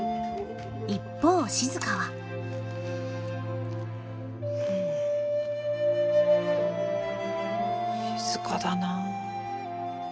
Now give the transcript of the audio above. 一方静は静かだな。